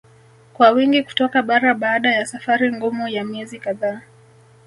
Kwa wingi kutoka bara baada ya safari ngumu ya miezi kadhaa